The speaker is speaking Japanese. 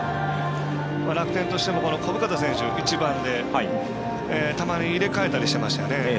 楽天としても小深田選手１番で、たまに入れ替えたりしていましたよね。